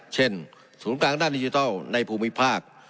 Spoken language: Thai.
ศูนย์กลางด้านดิจิทัลในภูมิภาค